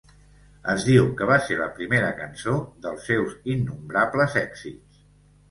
Es diu que va ser la primera cançó dels seus innombrables èxits.